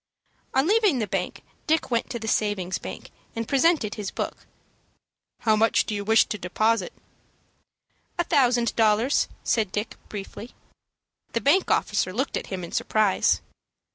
On leaving the bank, Dick went to the savings bank, and presented his book. "How much do you wish to deposit?" "A thousand dollars," said Dick, briefly. The bank officer looked at him in surprise.